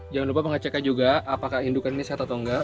jangan lupa pengecekan juga apakah indukan ini sehat atau enggak